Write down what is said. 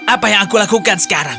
apa yang aku lakukan sekarang